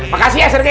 makasih ya srege